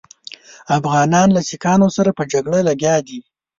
افغانان له سیکهانو سره په جګړو لګیا دي.